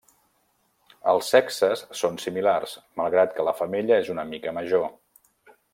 Els sexes són similars, malgrat que la femella és una mica major.